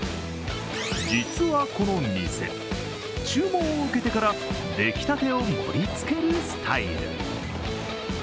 実はこの店、注文を受けてから、出来たてを盛りつけるスタイル。